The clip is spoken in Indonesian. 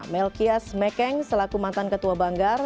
melkias mekeng selaku mantan ketua banggar